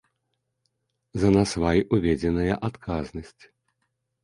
За насвай уведзеная адказнасць.